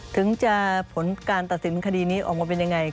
ถึงจะผลการตัดสินคดีนี้ออกมาเป็นยังไง